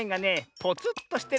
ポツっとしてる？